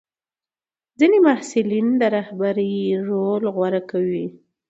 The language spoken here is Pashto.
ځینې محصلین د رهبرۍ رول غوره کوي.